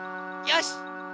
よし！